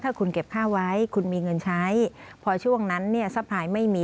ถ้าคุณเก็บค่าไว้คุณมีเงินใช้พอช่วงนั้นเนี่ยสะพายไม่มี